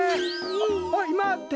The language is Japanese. おいまて！